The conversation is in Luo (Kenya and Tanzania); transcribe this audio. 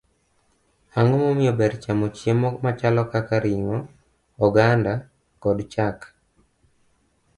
Ang'o momiyo ber chamo chiemo machalo kaka ring'o, oganda, kod chak?